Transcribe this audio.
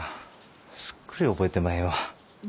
すっくり覚えてまへんわ。